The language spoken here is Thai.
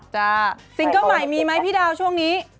จ้าซิงเกิ้ลใหม่มีมั้ยพี่ดาวช่วงนี้